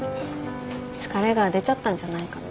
疲れが出ちゃったんじゃないかな。